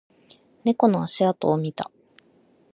猫の足跡を見た